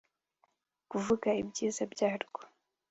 kuvuga ibyiza byarwo